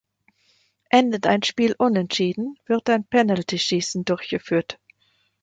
Endet ein Spiel unentschieden, wird ein Penaltyschießen durchgeführt.